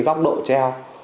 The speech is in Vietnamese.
góc độ treo